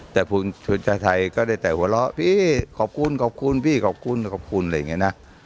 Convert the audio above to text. แต่ภูมิชาไทยก็ได้แต่หัวเราะพี่ขอบคุณพี่ขอบคุณอะไรอย่างนี้นะ